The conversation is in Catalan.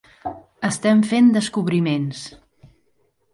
Estem fent descobriments.